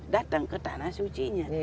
datang ke tanah sucinya